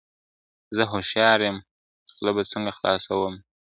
زه هوښیار یم خوله به څنګه خلاصومه ..